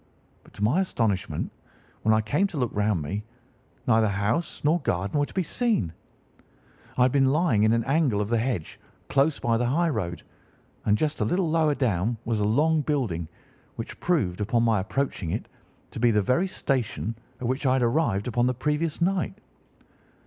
But to my astonishment, when I came to look round me, neither house nor garden were to be seen. I had been lying in an angle of the hedge close by the highroad, and just a little lower down was a long building, which proved, upon my approaching it, to be the very station at which I had arrived upon the previous night.